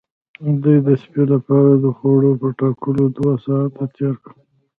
دوی د سپي لپاره د خوړو په ټاکلو دوه ساعته تیر کړل